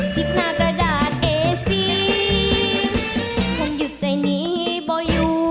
สิบหน้ากระดาษเอสีผมหยุดใจนี้บ่อยู่